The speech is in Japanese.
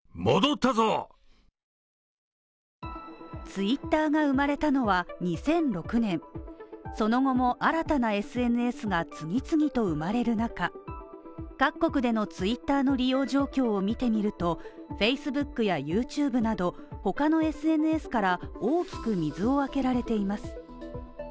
ツイッターが生まれたのは２００６年、その後も新たなＳＮＳが次々と生まれる中、各国でのツイッターの利用状況を見てみると、ＦａｃｅｂｏｏｋやＹｏｕＴｕｂｅなど他のＳＮＳから大きく水を開けられています。